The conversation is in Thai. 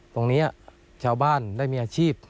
ตรงนี้ชาวบ้านได้มีอาชีพ